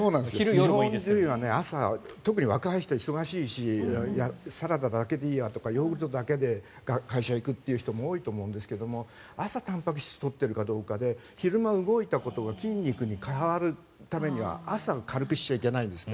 日本人は朝特に若い人、忙しいしサラダだけでいいやとかヨーグルトだけで会社に行くという人も多いと思うんですが朝にたんぱく質を取っているかどうかで昼間、動いたことが筋肉に変わるためには朝を軽くしちゃいけないんですね。